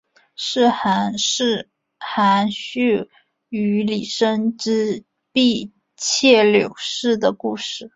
是寒士韩翃与李生之婢妾柳氏的故事。